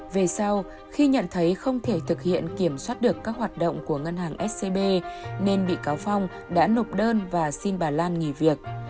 về sau khi nhận thấy không thể thực hiện kiểm soát được các hoạt động của ngân hàng scb nên bị cáo phong đã nộp đơn và xin bà lan nghỉ việc